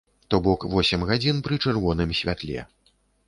То бок восем гадзін пры чырвоным святле.